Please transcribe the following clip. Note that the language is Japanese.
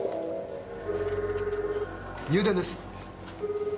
入電です。